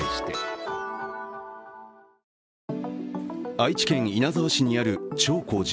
愛知県稲沢市にある長光寺。